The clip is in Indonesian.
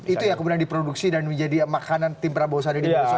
itu yang kemudian diproduksi dan menjadi makanan tim prabowo sandi di indonesia